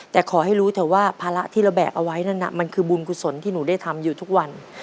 แต่ขอให้รู้เถอะว่าภาระที่เราแบกเอาไว้นั่นน่ะมันคือบุญกุศลที่หนูได้ทำอยู่ทุกวัน